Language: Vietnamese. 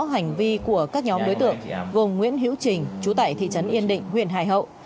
hành vi của các nhóm đối tượng gồm nguyễn hiễu trình chú tại thị trấn yên định huyện hải hậu